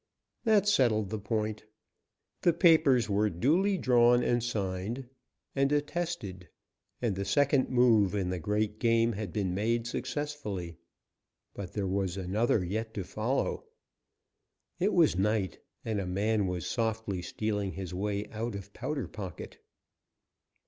That settled the point. The papers were duly drawn and signed and attested, and the second move in the great game had been made successfully. But, there was another yet to follow. It was night, and a man was softly stealing his way out of Powder Pocket.